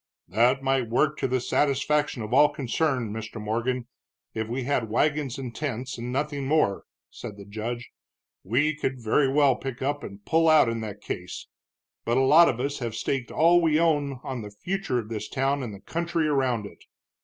"That might work to the satisfaction of all concerned, Mr. Morgan, if we had wagons and tents, and nothing more," said the judge. "We could very well pick up and pull out in that case. But a lot of us have staked all we own on the future of this town and the country around it.